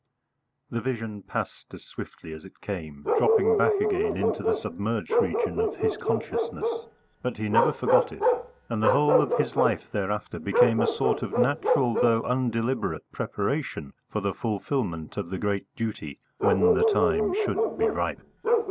The vision passed as swiftly as it came, dropping back again into the submerged region of his consciousness; but he never forgot it, and the whole of his life thereafter became a sort of natural though undeliberate preparation for the fulfilment of the great duty when the time should be ripe.